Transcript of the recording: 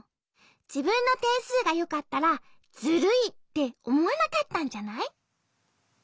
じぶんのてんすうがよかったらズルいっておもわなかったんじゃない？